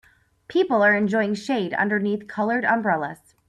People are enjoying shade underneath colored umbrellas.